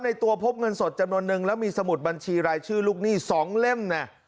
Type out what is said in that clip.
ในตัวพบเงินสดจำนวนนึงแล้วมีสมุดบัญชีรายชื่อลูกหนี้๒เล่มเนี่ย